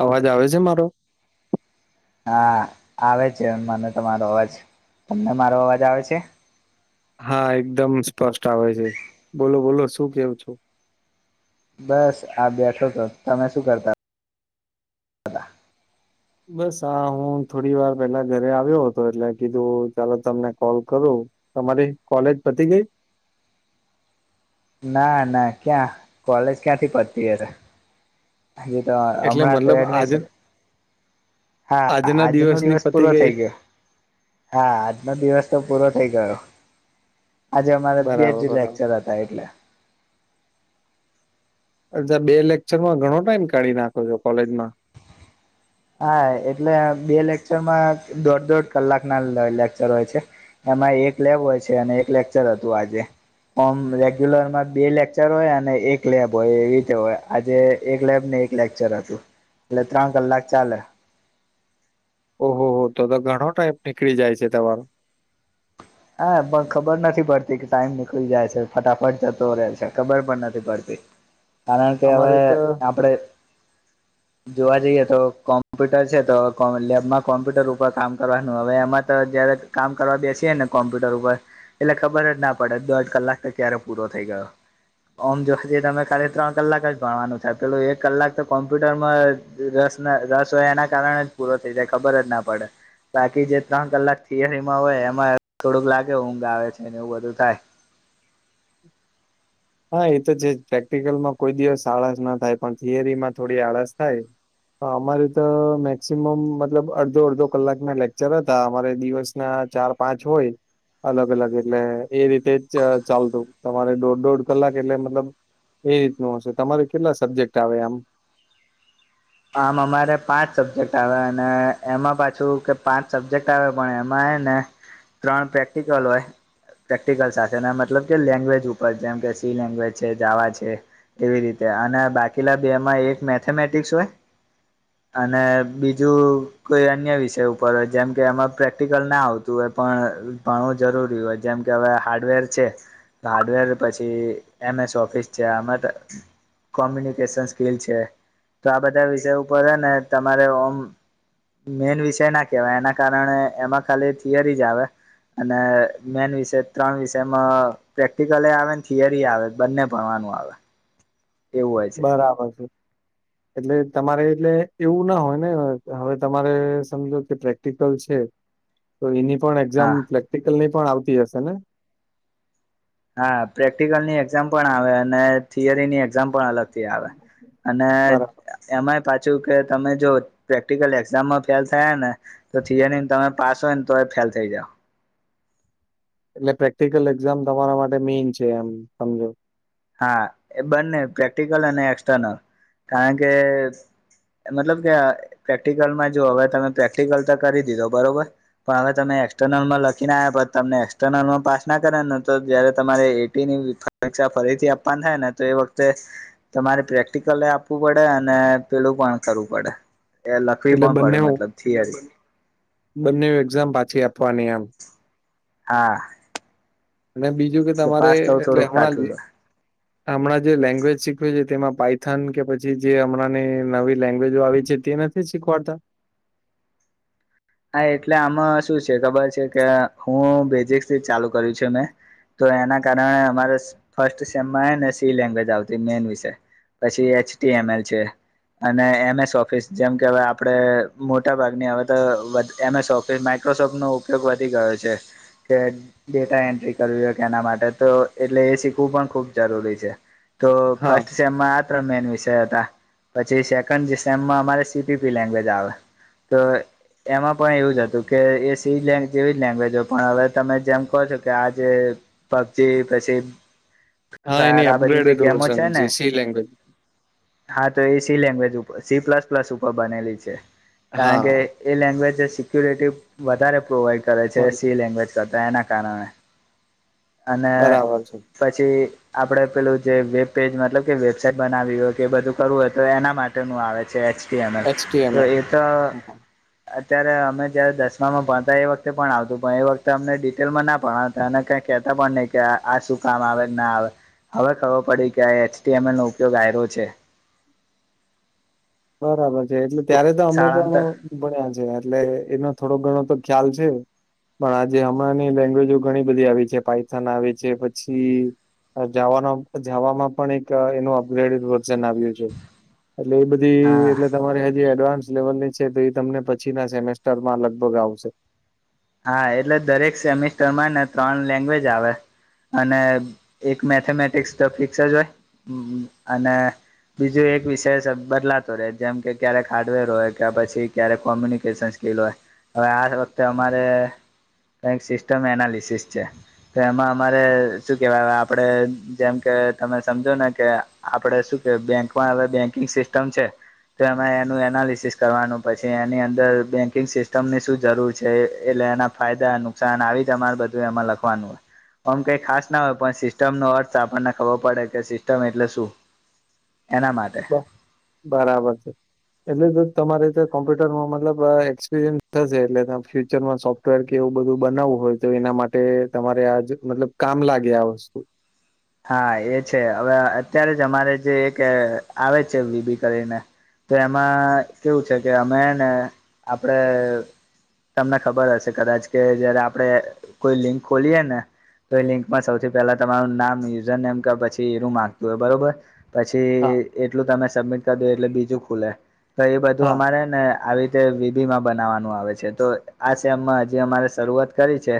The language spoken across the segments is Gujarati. અવાજ આવે છે મારો. હા આવે છે મને તમારો અવાજ તમને મારો અવાજ આવે છે. હા એકદમ સ્પષ્ટ આવે છે બોલો બોલો શું કેવું છું. બસ આ બેઠો તો તમે શું કરતા. બસ આ હું થોડી વાર પેલા ઘરે આવ્યો હતો એટલે કીધું ચાલો તમને કોલ કરું. તમારી કોલેજ પતી ગઈ. ના ના ક્યાં કોલેજ ક્યાંથી પડતી હશે હજ તો એટલે હમણાં તો મતલબ આજ એડમિશન. હા આજના આજનો દિવસની દિવસ પતી પૂરો ગઈ. થઈ ગયો. હા આજનો દિવસ તો પૂરો થઈ ગયો આજે અમારે બે જ બરાબર બરાબર. લેક્ચર હતા. ઈજાય. અચ્છા બે લેક્ચરમાં ઘણો ટાઈમ કાઢી નાખો છો કોલેજમાં હા એટલે બે લેક્ચરમાં દોઢ દોઢ કલાક ના લેક્ચર હોય છે. એમાં એક લેવ હોય છે અને એક લેક્ચર હતું આજે ઓમ રેગ્યુલરમાં બે લેક્ચર હોય અને એક લેબ હોય એવી રીતે હોય આજે એક લેબ ને એક લેક્ચર હતું એટલે ત્રણ કલાક ચાલે. ઓહો હો તો તો ઘણો ટાઈમ નીકળી જાય છે તમારો હા પણ ખબર નથી પડતી કે ટાઈમ નીકળી જાય છે ફટાફટ જતો રહે છે ખબર પણ નથી પડતી. [inaudible] કારણ કે હવે અમારે તો આપડે જોવા જઈએ તો કોમ્પ્યુટર છે તો કો લેબમાં કોમ્પ્યુટર ઉપર કામ કરવાનું હવે એમાં તો જ્યારે. કામ કરવા બેસીયે ને કોમ્પ્યુટર ઉપર એટલે ખબર જ ના પડે દોઢ કલાક તો ક્યારે પૂરો થઈ ગયો. ઓમ જો તમે ખાલી ત્રણ કલાક જ ભણવાનું થાય પેલું એક કલાક તો કોમ્પ્યુટરમાં રસ રસ હોય એના કારણે જ પૂરો થઇ જાય ખબર જ ના પડે. બાકી જે ત્રણ કલાક થિયરી માં હોય એમાં થોડુંક લાગે ઊંઘ આવે છેને એવું બધું થાય. હા એ તો છે પ્રેક્ટિકલમાં કોઈ દિવસ આળસ ના થાય પણ થિયરી માં થોડી આળસ થાય. અમારે તો મેક્સિમમ મતલબ અડધો અડધો કલાક ના લેક્ચર હતા અમારે દિવસના ચાર પાંચ હોય અલગ અલગ એટલે એ રીતે જ ચાલતું તમારે દોઢ દોઢ કલાક એટલે મતલબ એ રીતનું હશે તમારે કેટલા સબ્જેક્ટ આવે આમ આમ અમારે પાંચ સબ્જેક્ટ આવે અને એમાં પાછું કે પાંચ સબ્જેક્ટ આવે પણ એમાં એ ને ત્રણ પ્રેક્ટિકલ હોય. પ્રેક્ટિકલ સાથે મતલબ કે લેંગ્વેજ ઉપર જેમ કે સી લેંગ્વેજ છે જાવા છે. એવી રીતે અને બાકીલા બે માં એક મેથેમેટિક્સ હોય અને બીજું, કોઈ અન્ય વિષય ઉપર હોય, જેમ કે એમાં પ્રેક્ટિકલ ના આવતું હોય, પણ ભણવું જરૂરી હોય, જેમ કે હવે હાર્ડવેર છે. હાર્ડવેર પછી એમ. એસ. ઓફિસ છે આમાં તો કોમ્યુનિકેશન સ્કીિલ છે તો આ બધા વિષય ઉપરને તમારે ઓમ મેઈન વિષય ના કેવાય એના કારણે એમાં ખાલી થિયરી જ આવે. અને મેન વિષય ત્રણ વિષયમાં પ્રેક્ટિકલ આવે થિયરી આવે બંને ભણવાનું આવે એવું હોય છે બરાબર છે. એટલે તમારે એટલે એવું ના હોય ને હવે તમારે સમજો કે પ્રેક્ટિકલ છે. તો એની પણ એક્ઝામ હા પ્રેક્ટિકલની પણ આવતી હશે ને? હા પ્રેક્ટિકલની એક્ઝામ પણ આવે અને થિયરીની એક્ઝામ પણ અલગ થી આવે. અને બરાબર એમાંય પાછું કે તમે જો પ્રેક્ટિકલ એક્ઝામમાં ફેલ થયા ને તો થીયરીમાં તમે પાસ હોય ને તો એ ફેલ થઈ જાવ એટલે પ્રેક્ટિકલ એક્ઝામ તમારા માટે મેઈન છે એમ સમજો હા એ બંને પ્રેક્ટિકલ અને એક્સટર્નલ કારણ કે મતલબ કે પ્રેક્ટિકલમાં જો હવે તમે પ્રેક્ટિકલ તો કરી દીધો બરોબર પણ હવે તમે એક્સટર્નલમાં લખીને આયા. પર તમને એક્સટર્નલમાં પાસ ના કરે ને તો ત્યારે તમારે એક કેટી ની પરીક્ષા ફરીથી આપવાની થાય ને તો એ વખતે તમારે પ્રેક્ટિકલ એ આપવું પડે અને પેલું પણ કરવું પડે એ લખવી એટલે પણ બંને પડે મતલબ થિયરી બંને એક્ઝામ પાછી આપવાની એમ. હા અને બીજું કે એટલે તમારે પાસ થવું એટલે થોડુંક હમણાં જ કાઠું હમણાં જે લેંગ્વેજ શીખવી છે તેમાં પાઇથન કે પછી જે હમણાંની નવી લેંગ્વેજો આવી છે તેને થી શીખવાડતા હા એટલે આમાં શું છે ખબર છે કે હું બેઝિકસ થી જ ચાલુ કર્યું છે મેં તો એના કારણે અમારે ફસ્ટ સેમમાં છે ને સી લેંગ્વેજ આવતી મેન વિષય પછી એચ. ટી. એમ. એલ છે. અને એને ઓફિસ જેમ કે હવે આપડે મોટા ભાગની હવે તો એમ. એસ ઓફિસ માઇક્રોસોફ્ટનો ઉપયોગ વધી ગયો છે કે ડેટા એન્ટ્રી કરવી હોય તો એના માટે તો એટલે એ શીખવું પણ ખૂબ જરૂરી છે તો હા ફસ આ ત્રન મેન વિષય હતા. પછી સેકન્ડ સેમમાં અમારે સી પી પી લેંગવેજ આવે ત એમાં પણ એવું જ હતું કે એ સી લ જેવી જ લેંગ્વેજ હોય પણ હવે તમે જેમ કહો છો કે આ જે પબજી પછી ફ્રી હા એની ફાયર આ બધી જે અપગ્રેડેડ ગેમો વર્ઝન છે ને જે સી લેંગ્વેજ હા તો એ સી લેંગ્વેજર સી પ્લસ પ્લસ ઉપર બનેલી છે. કારણ કે હા એ લેંગ્વેજ સિક્યુરિટી વધારે પ્રોવાઈડ કરે છે સી બરાબર લેગ એના કારણે અને બરાબર છે. પછી આપડે પેલું જે વેબ પેજ મતલબ કે વેબસાઇટ બનાવી હોય કે બધું કરવું હોય તો એના માટેનું આવે છે એચ ટી એમ તો એચટીએમએલ એટ હા અત્યારે અમે જયારે દસમામાં ભણતા એ વખતે પણ આવતું પણ એ વખતે અમને ડિટેલમાં ના ભણત એને કઈ કેહેતા પણ નહી કે આ શું કામ આવે ના આવે હવે ખબર પડી કે આ એચ એમ એલ નો ઉપયોગ આ્યો છે. બરાબર છે એટલે ત્યારે તો અમે પણ શાળાંતર ભણ્યા છે એટલે એનો થોડો ઘણો તો ખ્યાલ છે. પણ આજે હમણાં લેંગ્વેજો ઘણી બધી આવી છે પઇથન આવી છે પછી વા જવામાં પણ એક એનું અપગ્રેડેડ વર્ઝન આવ્યું છે એટલે એ બધ ધી હા એટલે તમારી હજી એડવાન્સ લેવલ ની છે તો એ તમને પછી ના સેમેસ્ટરમાં લગભગ આવશે હા એટલે દરેક સેમિસ્ટરમાં ને ત્રણ લેંગ્વેજ આવે અને એક મેથેમેટિક્સ ફિક્સર જ હોય અને બીજું એક વિષય બદલાતો રહે જેમ કે ક્યારેક હાર્ડવેર હોય કે પછી ક્યારેક કોમ્યુનિકેશન લ હોય હવે આ વખતે અમારે કઈક સિસ્ટમ એનાલિસિસ છે. તો એમાં અમારે શું કેવાય આપડે જેમ કે તમે સમજો ને કે આપડે શું કે બેંકમાં હવે બેંકિંગ સિસ્ટમ છે. તો એમાં એનું એનાલિસિસ કરવાનું પછી એની અંદર બેંકિંગ સિસ્ટમની શું જરૂર છે એટલે એના ફાયદા નુકસાન આવી જ અમાર બધું એમાં લખવાનું હોય આમ કઈ ખાસ ના હોય પણ સિસ્ટમ નો અર્થ આપણને ખબર પડે કે સિસ્ટમ એટલે શું? એના માટે બ બરાબર છે. એટલે તો તમારે કોમ્પ્યુટરમાં મતલબ એક્સપિરિયન્સ થશે એટલે ફ્યુચરમાં સો ફ્ટવેરકે એવું બધું બનાવવું હોય તો એના માટે તમારે આજ મતલબ કામ લાગે આ વસ્તુ હા એ છે હવે અત્યારે જ અમારે જે એક આવે છે વી બી કરીને તો એમાં કેવું છે કે અમે ને આપડે તમને ખબર હશે કદાચ કે જયારે આપણેે કોઈ લિંક ખોલીયએ ને તો લિંકમાં સૌથી પહેલા તમારું નામ ની યુઝર નેમ કે પછી એરુ માંગતું હોય બરોબર પછી હા એટલું તમે સબમિટ કરી દો એટલે બીજું ખુલે તો એ બધું હા. અમારે ને આવી રીતે વિધી માં બનાવાનું આવે છે તો આ સેમમાં હજી અમારે શરૂઆત કરી છે.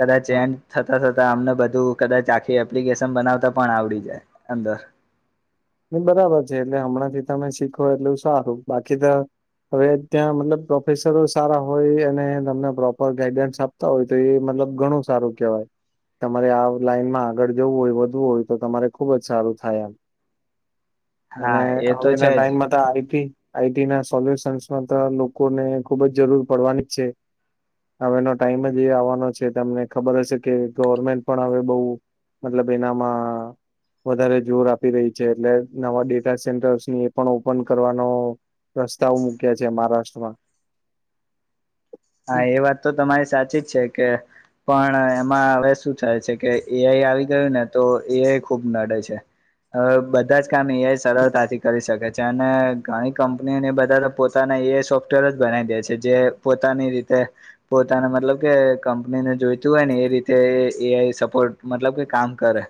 કદાચ હા એમ થતા થતા અમને બધું કદાચ આખી એપ્લિકેશન બનાવતા પણ આવડી જાય અંદર બરાબર છે એટલે હમણાં થી તમે શીખો એટલું સારું બાકી તો હવે ત્યાં મતલબ પ્રોફેસરો સારા હોય અને તમને પ્રોપર ગાઈડન્સ આપ હોય તો એ મતલબ ઘણું સારું કહેવાય. તમારે આ લાઈનમાં આગળ જવું હોય વધવું હોય તો તમારે ખુબ જ સારું થાય એમ અને હા એ તો હવેના છે જ ટાઈમ આઈટી આઈટી ના સોલ્યુશન્સમાં તો લોકોને ખુબ જ જરૂર પડવાની જ છે. હવેનો ટાઈમ જ એ આવવાનો છે તમને ખબર હશે કે ગવર્મેન્ટ પણ હવે બઉુ મતલબ એનામાં વધારે જોર આપે આપ રહી છે એટલે નવા ડેટા સેન્ટર્સ ની એ પણ ઓપન કરવાનો રસ્તાઓ મુૂક્યા છે મહારાષ્ટ્રમાં હા એ વાત તો તમારી સાચી જ છે કે પણ એમાં હવે શું થાય છે કે એઆઈ આવી ગયું ને તો એઆઈ ખુબ નડે છે. અ બધા જ કામ એઆઈ સરળતાથી કરી શકે છે અને ઘણી કંપનીઓને બધા પોતાને એ સોફ્ટવેર જ બનાવી દે છે જે પોતાની રીતે પોતાને મતલબ કે કંપનીને જોઈતું હોય ને એ રીતે એઆઈ સપોર્ટ મતલબ કે કામ કરે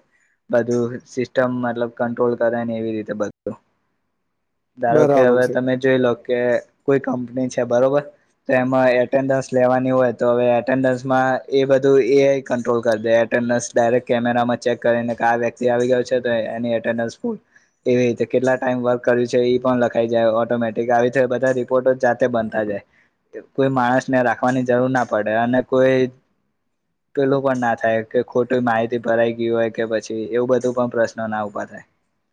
બધું સિસ્ટમ મતલબ કંટ્રોલ કરે ને એવી રીતે બધું [inaudible] ધારો કે હવે છે તમે જોઈ લો કે કોઈ કંપની છે બરોબર તેમાં એટેન્ડન્સ લેવાની હોય તો હવે એટેન્ડન્સમાં એ બધું એ કંટ્રોલ કરી દે કેમેરામાં ચેક કરીને કે આ વ્યક્તિ આવી ગયો છે એની એટેડસ ફલ એવી રીતે કેટલા ટાઈમ વર્ક કર્યું છે એ પણ લખાઈ જાય ઓટોમેટિક આવી બધા રિપોર્ટો જાતે બનતા જાય કોઈ માણસને રાખવાની જરૂર ના પડે અને કોઈ [inaudible] પેલું પણ ના થાય કે ખોટું માહિતી ભરાઈ ગય હોય કે પછી એવું બધું પણ પ્રશ્ન ના ઉભા થાય હ [inaudible]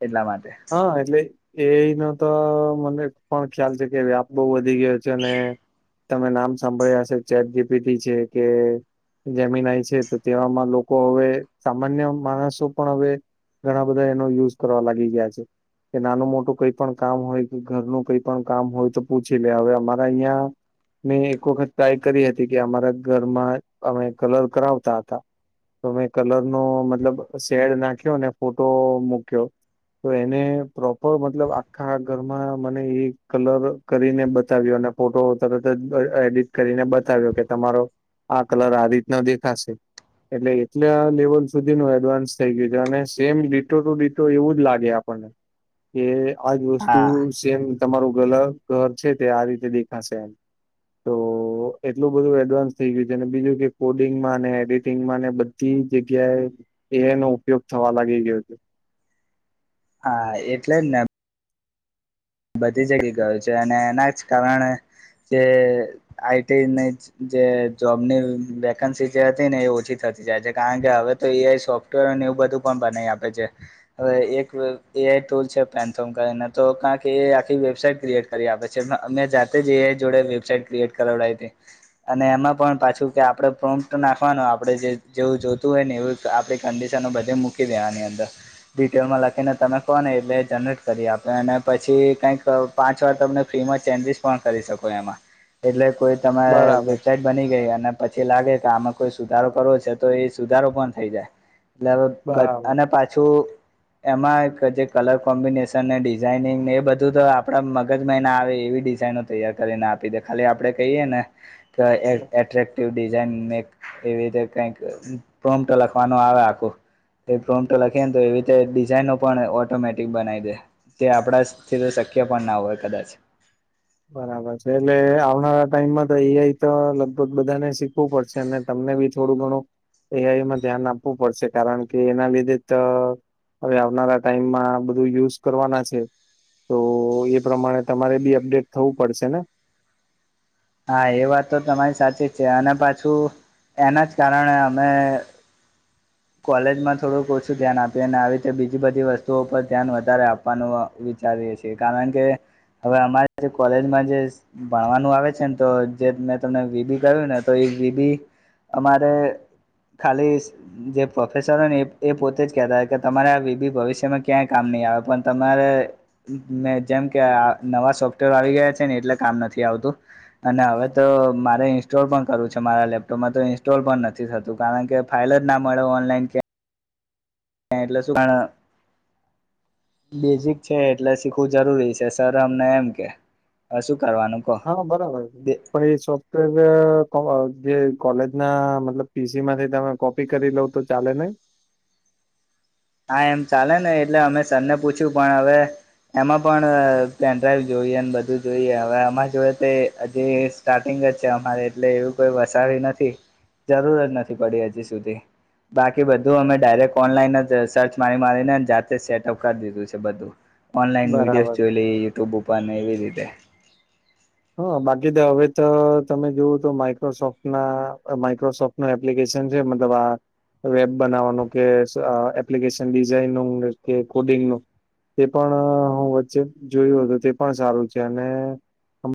એટલા માટે એટલે એ ન તો મને પણ ખ્યાલ છે કે વ્યાપ બહુ વધી ગયો છે અને તમે નામ સાંભળ્યા હશે ચેટ જીપીથી છે કે જમીનય છે તો તેવામાં લોકો હવે સામાન્ય માણસો પણ હવે ઘણા બધા એનો યુઝ કરવા લાગી ગયા છે. કે નાનું મોટું કઈ પણ કામ હોય કે ઘરનું કઈ પણ કામ હોય તો પૂછી લે હવે અમારા અયા મેં એક વખત ટ્રાય કરી હતી કે અમારા ઘરમાં અમે કલર કરાવતા હતા તોમે કલર નો મતલબ શેડ નાખ્યો અને ફોટો મૂક્યો તો એને પ્રોપર મતલબ આખા ઘરમાં મને એ કલર કરીને બતાવ્યો અને ફોટો તરત જ એડિટ કરીને બતાવ્યો કે તમારો આ કલર આ રીતના દેખાશે એટલે એટલા લેવલ સુધી નું એડવાન્સ થઇ ગયું છે અને સેમ ડિટો ટુ ડીટો એવું જ લાગે આપને કે આજ વસ્તુ હા મ તમારું ગલ ઘર છે તે આ રીતે દેખાશે એમ તો એટલું બધું એડવાન્સ થઈ ગયું છે અને બીજું કે કોડિંગમાં એડિટિંગમાં ને થી જગ્યાએ એ એ નો ઉપયોગ થવા લાગી ગયો છે. હા એટલે જને બધી જગ્યા ગયો છે અને એના જ કારણે જે આઈટીને જે જોબ ની વેકન્સી જે હતી ને એ ઓછી થતી જાય છે કારણ કે હવે તો એઆઈ સોફ એવું બધું પણ બનાવી આપે છે. હવે એક એ આઈ ટૂલ છે પેન્થોમ તો કં કે આખી વેબસાાઈટ ક્રિએટ કરી આપે છે અમે જાતે જએ જોડે વેબસાાઈટ ક્રિએટ કરાવડાવી હતી. અને એમાં પણ પાછું કે આપડણે પ્રોપ્ટ નાખવાનો આપણે જે જેવું જોતું હોય ને એવું તો આપડી કંડિશન બધે મૂકી દે આની અંદર ડિટેલમાં લખીને તમે ફોન એલે જનરેટ કરીએ આપણે એને પછી કઈક પાંચ વાર તમે ફી માં ચેન્જીસ પણ કરી શકો એમાં એટલે કોઈ તમે બરાબર વિકેન્ડ બની ગઈ અને પછી લાગે કે આમે કોઈ સુધારો કરવો છે તો એ સુધારો પણ થઈ જાય. એલે બરાબર અને પાછું એમાં એક જે કલર કોમ્બિનેશન ને ડીજ ઝાઇનિંગ એ બધું તો આપડા મગજ મહિના આવે એવી ડિઝાઇનો તૈયાર કરીને આપી દે. ખાલી આપડે કહીએ ને અત્તરકટીવ ડિઝઇન મે એવી રીતે કઈક પ્રોમ્પ્ટ લખવાનું આવે આખું એ પ્રોમટો લખીએ ને તો એવી રીતે ડિઝાઇનો પણ ઓટોમેટિક બનાઈ દે. તે આપણાથી તો શક્ય પણ ના હોય કદાચ. બરાબર છે. એટલે આવનારા ટાઈમમાં તો એ આઈ તો લગભગ બધાને શીખવું પડશે. એમને તમને બી થોડું ઘણું એ આઈ માં ધ્યાન આપવું પડશે કારણ કે એના લીધે તો હવે આવનારા ટાઈમમાં બધું યુઝ કરવાના છે. તો એ પ્રમાણે તમારે બી અપડેટ થવું પડશે ને? હા, એ વાત તો તમારી સાચી જ છે અને પાછું એના જ કારણે અમે કોલેજમાં થોડુંક ઓછું ધ્યાન આપી અને આવી રીતે બીજી બધી વસ્તુઓ પર ધ્યાન વધારે આપ વાનું વિચારીએ છીએ કારણ કે હવે અમારે જે કોલેજમાં જે ભણવાનું આવે છે ને તો જે મેં તમને વી બી કહ્યું ને તો એ વી બી અમારે ખાલી જે પ્રોફેસરોને એ પોતે જ કેહેતા કે તમારે વી બી ભવિષ્યમાં ક્યાંય કામ નહીં આવે પણ તમારે મે જેમ કે આ નવા સોફ્ટવેર આવી ગયા છે ને એટલે કામ નથી આવતું. અને હવે તો મારે ઈન્સ્ટોલ પણ કરવું છે મારા લેપટોપમાં તો ઇન્સ્ટોલ પણ નથી થ તું કારણ કે ફાઇલ જ ના મળે ઓનલાઈન કે એ એટલે સુું કણ બેઝિક છે એટલે શીખવું જરૂરી છે સર અમને એમ કે. હ શું કરવાનું. કહો હા, બરાબર છે. પણ એ સબ પેલું જે કો જે કોલેજ ના મતલબ પી સી માંથી તમે કોપી કરી લઉ તો ચાલે નહી? હા, એમ ચાલે ને એટલે અમે સર ને પૂછ્યું પણ હવે એમાં પણ અહ પેનડ્રાઈવ જોઈએ બધું જોઈએ હવે આમાં જોએ તે જે સ્ટાર્ટિંગ જ છે અમારે એટલે એવું કોઈ વસાવી નથી જરૂર જ નથી પડી હજી સુધી. બાકી બધું અમે ડાયરેક્ટ ઓનલાઈન અ જશ સર્ચ મારી મારીને જાતે સેટઅપ કરી દીધું છે બધું ઓનલાઈન વિડીયો બરાબર જોઈ લઈ યુટ્યુબ ઉપ કાને એવી રીતે. હા, બાકી તો હવે તો તમે જોવું તો માઈક્રોસોફ્ટ ના અહ માઈક્રોસોફ્ટ નું એપ્લિકેશન છે મતલબ આ વેબ બનાવવાનું કે સ એપ્લિકેશન ડિઝાઇન કે કોડિંગનું તે પણ અહ હું વચ્ચે જોયું હતું તે પણ સારું છે અને